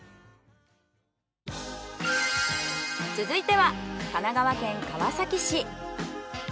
続いては神奈川県川崎市。